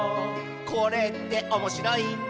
「これっておもしろいんだね」